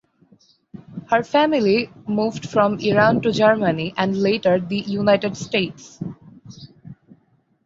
Her family moved from Iran to Germany and later the United States.